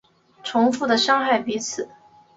重复的伤害彼此